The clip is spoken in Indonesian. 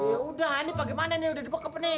yaudah ini bagaimana nih udah di bokap nih